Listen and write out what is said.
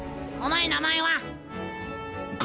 お前名前は？